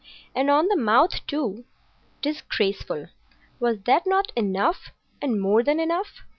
And on the mouth, too. Disgraceful! Was that not enough, and more than enough?